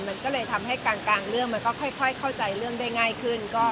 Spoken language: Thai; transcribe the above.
มันก็เลยทำให้กลางเรื่องมันก็ค่อยเข้าใจเรื่องได้ง่ายขึ้น